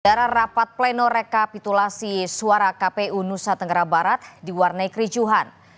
dalam rapat pleno rekapitulasi suara kpu nusa tenggara barat diwarnai kericuhan